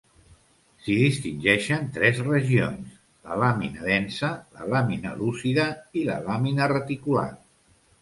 S'hi distingeixen tres regions, la làmina densa, la làmina lúcida i la làmina reticular.